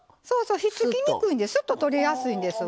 引っ付きにくいんですっととりやすいんですわ。